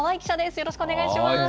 よろしくお願いします。